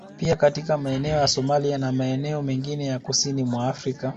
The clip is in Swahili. Pia katika maeneo ya Somalia na maeneo mengine ya kusini mwa Afrika